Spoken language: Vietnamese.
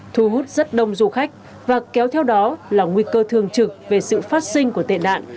thu hút rất đông du khách và kéo theo đó là nguy cơ thường trực về sự phát sinh của tệ nạn